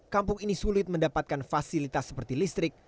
kampung ini sulit mendapatkan fasilitas seperti listrik